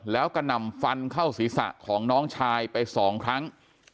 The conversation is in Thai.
แล้วก็นำฟันเข้าศีรษะของน้องชายไปสองครั้ง